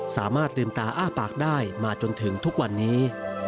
สามารถลืมตาอ้าปากได้มาจนถึงทุกวันนี้